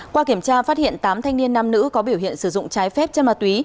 qua kiểm tra phát hiện tám thanh niên nam nữ có biểu hiện sử dụng trái phép chân ma túy